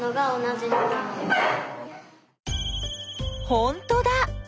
ほんとだ！